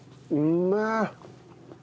うまっ！